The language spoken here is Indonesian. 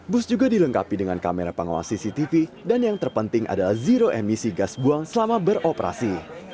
bus juga dilengkapi dengan kamera pengawas cctv dan yang terpenting adalah zero emisi gas buang selama beroperasi